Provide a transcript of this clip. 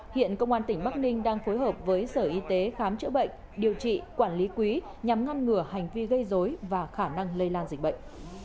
hiện công an tỉnh bắc ninh đang phối hợp với sở y tế khám chữa bệnh điều trị quản lý quý nhằm ngăn ngừa hành vi gây dối và khả năng lây lan dịch bệnh